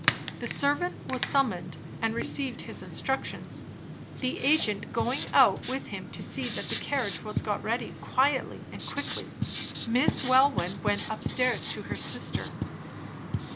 The servant was summoned, and received his instructions, the agent going out with him to see that the carriage was got ready quietly and quickly. Miss Welwyn went upstairs to her sister.